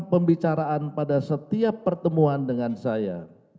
pembicaraan pada setiap pertemuan dengan saya